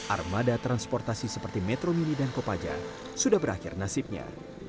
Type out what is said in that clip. armada transportasi seperti metro mini dan kopaja sudah berakhir nasibnya